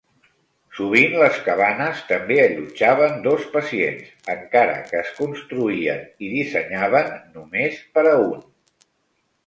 Sovint les cabanes també allotjaven dos pacients, encara que es construïen i dissenyaven només per a un.